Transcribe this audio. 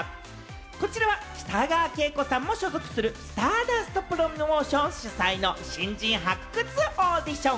こちらは北川景子さんの所属するスターダストプロモーション主催の新人発掘オーディション。